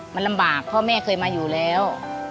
มันลำบากเพราะแม่เคยมาอยู่แล้ว